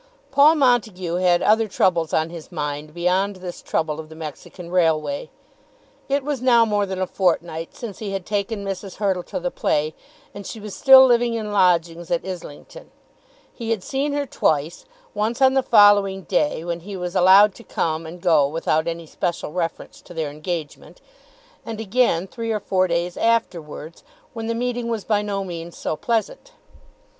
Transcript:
Paul Montague had other troubles on his mind beyond this trouble of the Mexican Railway. It was now more than a fortnight since he had taken Mrs. Hurtle to the play, and she was still living in lodgings at Islington. He had seen her twice, once on the following day, when he was allowed to come and go without any special reference to their engagement, and again, three or four days afterwards, when the meeting was by no means so pleasant.